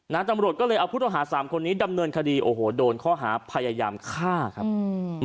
น้าจำรวจก็เลยเอาพุทธอาหารสามคนนี้ดำเนินคดีโอ้โหโดนเขาหาพยายามฆ่าครับ